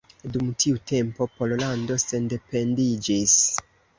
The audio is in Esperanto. Dum tiu tempo Pollando sendependiĝis.